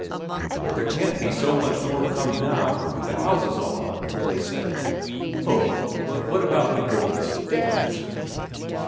"But there can't be so much more to come now, with the houses all up," they said. "Ho, and what about the goods?" he answered.